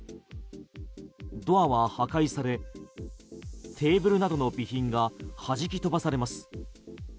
ドアは破壊されテーブルなどの備品が弾き飛ばされます。